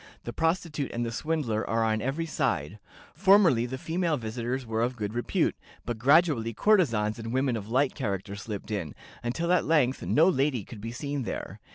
The prostitute and the swindler are on every side. Formerly the female visitors were of good repute, but gradually courtesans and women of light character slipped in, until at length no lady could be seen there.